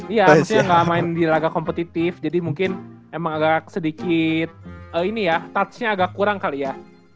iya udah lama ga main di laga kompetitif jadi mungkin emang agak sedikit touch nya agak kurang kali ya